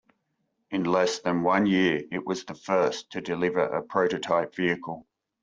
In less than one year, it was the first to deliver a prototype vehicle.